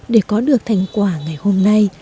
để có được thành quả ngày hôm nay